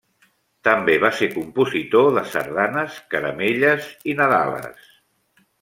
També va ser compositor de sardanes, caramelles i nadales.